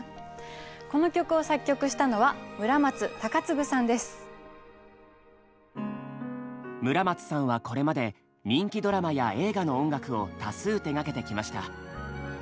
この曲を作曲したのは村松さんはこれまで人気ドラマや映画の音楽を多数手がけてきました。